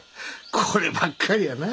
こればっかりはな。